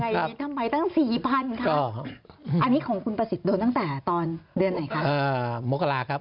คุณประสิทธิ์ก่อนครับสี่พันธุ์เลยไปยังไงทำไมตั้งสี่พันธุ์ค่ะ